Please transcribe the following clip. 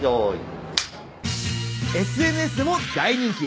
ＳＮＳでも大人気。